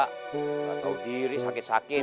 enggak tahu diri sakit sakit